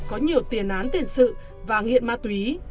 có nhiều tiền án tiền sự và nghiện ma túy